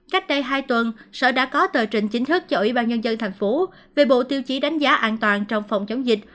cách đây hai tuần sở đã có tờ trình chính thức cho ủy ban nhân dân thành phố về bộ tiêu chí đánh giá an toàn trong phòng chống dịch